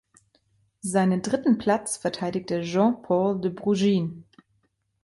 Seinen dritten Platz verteidigte Jean Paul de Bruijn.